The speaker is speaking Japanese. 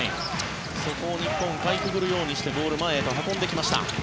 そこを日本かいくぐるようにしてボールを前へと運んでいきました。